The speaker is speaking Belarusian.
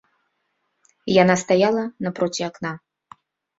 Яна стаяла напроці акна.